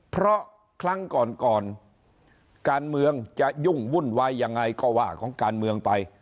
เพราะครั้งก่อนก่อนการเมืองจะยุ่งวุ่นวายยังไงก็ว่าของการเมืองไป